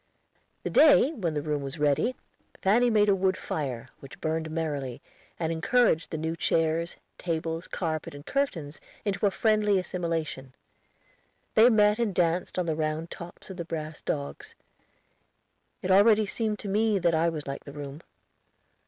The day when the room was ready, Fanny made a wood fire, which burned merrily, and encouraged the new chairs, tables, carpet, and curtains into a friendly assimilation; they met and danced on the round tops of the brass dogs. It already seemed to me that I was like the room.